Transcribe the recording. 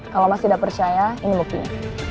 kalau mas tidak percaya ini buktinya